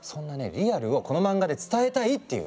リアルをこの漫画で伝えたいっていう。